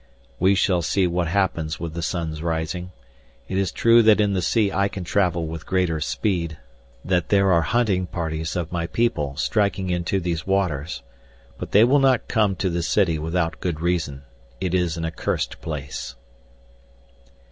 "We shall see what happens with the sun's rising. It is true that in the sea I can travel with greater speed, that there are hunting parties of my people striking into these waters. But they will not come to this city without good reason. It is an accursed place."